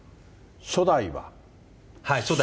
初代は。